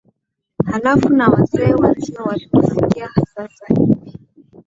halafu na wazee wenzio wanakusikia sasa hivi